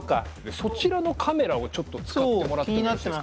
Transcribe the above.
そちらのカメラをちょっと使ってもらってもよろしいですか？